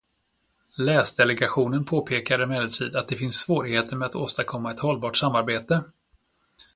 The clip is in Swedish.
Läsdelegationen påpekar emellertid att det finns svårigheter med att åstadkomma ett hållbart samarbete.